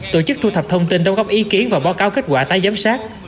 tổ chức thu thập thông tin đóng góp ý kiến và báo cáo kết quả tái giám sát